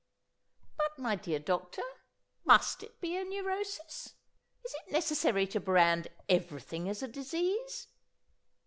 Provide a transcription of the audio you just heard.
'" "But, my dear doctor, must it be a neurosis? Is it necessary to brand everything as a disease?"